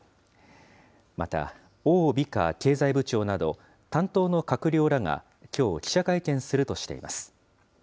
また、王美花経済部長など、担当の閣僚らがきょう記者会見するとしています。